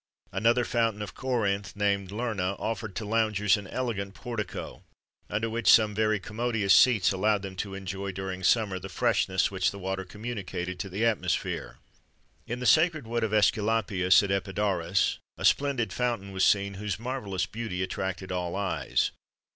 Another fountain of Corinth, named Lerna, offered to loungers an elegant portico, under which some very commodious seats allowed them to enjoy, during summer, the freshness which the water communicated to the atmosphere. In the sacred wood of Æsculapius, at Epidaurus, a splendid fountain was seen whose marvellous beauty attracted all eyes.